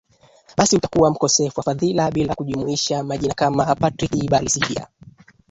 Basi utakuwa mkosefu wa fadhila bila kujumuisha majina kama Patrick Balisidya